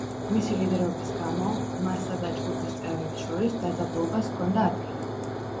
მისი ლიდერობის გამო მასსა და ჯგუფის წევრებს შორის დაძაბულობას ჰქონდა ადგილი.